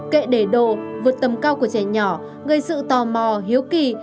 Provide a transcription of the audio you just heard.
kệ để đồ vượt tầm cao của trẻ nhỏ gây sự tò mò hiếu kỳ